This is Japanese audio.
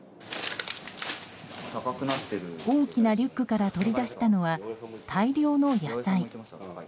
大きなリュックから取り出したのは大量の野菜。